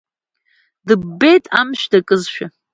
Дыббит амшә дакызшәа.